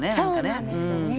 そうなんですよね。